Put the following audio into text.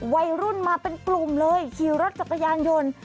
วัยรุ่นมาเป็นกลุ่มเลยขี่รถจักรยานยนต์